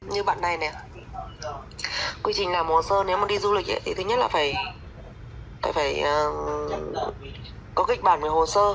như bạn này nè quy trình làm hồ sơ nếu mà đi du lịch thì thứ nhất là phải có kịch bản về hồ sơ